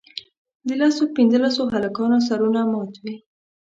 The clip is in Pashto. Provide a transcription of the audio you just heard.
د لسو پینځلسو هلکانو سرونه مات وي.